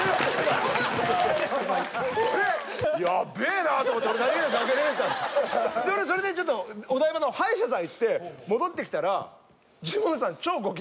で俺それでちょっとお台場の歯医者さん行って戻ってきたらジモンさん超ご機嫌で。